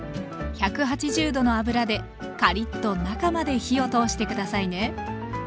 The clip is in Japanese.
１８０℃の油でカリッと中まで火を通して下さいね。